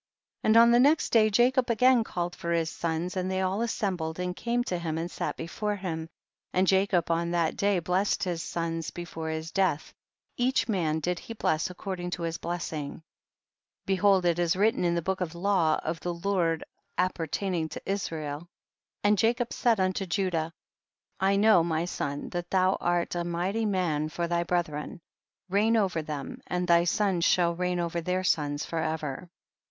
7. And on the next day Jacob again called for his sons, and they all assembled and came to him and sat before him, and Jacob on that day blessed his sons before his death, each man did he bless according to his blessing ; behold it is written in the book of the law of the Lord ap pertaming to Israel. 8. And Jacob said unto Judah, I know my son that thou art a mighty 7nan for thy brethren ; reign over them, and thy sons shall reign over their sons forever.